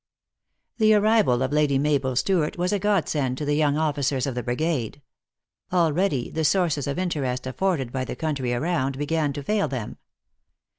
THE arrival of Lady Mabel Stewart was a god send to the young officers of the brigade. Already the sources of interest afforded by the country around, began to fail them.